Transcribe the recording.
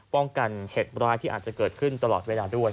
ป้องกันเหตุร้ายที่อาจจะเกิดขึ้นตลอดเวลาด้วย